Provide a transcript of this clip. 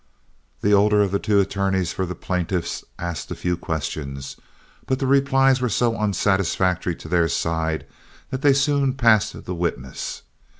The older of the two attorneys for the plaintiffs asked a few questions, but the replies were so unsatisfactory to their side, that they soon passed the witness.